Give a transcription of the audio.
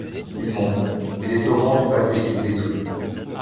Il monte, il est torrent du passé qu’il détruit